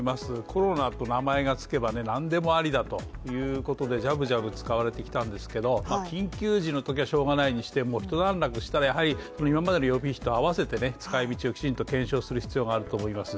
コロナと名前が付けばね何でもありだということでジャブジャブ使われてきたんですけど、緊急時のときはしょうがないにしても一段落したらやはり今までの予備費と合わせてね、使い道をきちんと検証する必要があると思います。